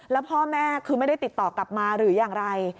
แล้วพ่อแม่คือไม่ได้ติดต่อกลับมาหรืออย่างไร